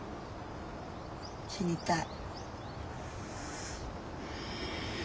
死にたい。